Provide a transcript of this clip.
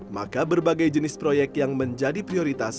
maka berbagai jenis proyek yang diperlukan untuk memperbaiki pemerintah umkm